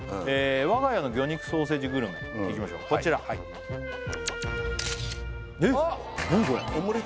「我が家の魚肉ソーセージグルメ」いきましょうこちらえっ何これ！？